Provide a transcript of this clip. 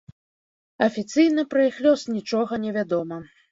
Афіцыйна пра іх лёс нічога невядома.